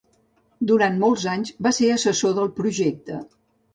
Durant molts anys va ser assessor del projecte.